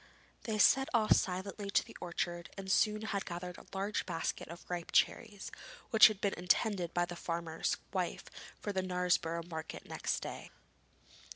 They set off silently to the orchard and soon had gathered a large basket of ripe cherries, which had been intended by the farmer's wife for the Knaresborough market next day.